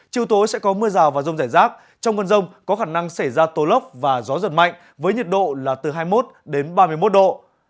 chiều tối sẽ có mưa rào và rông rải rác trong cơn rông có khả năng xảy ra tố lốc và gió giật mạnh với nhiệt độ là từ hai mươi một đến ba mươi một độ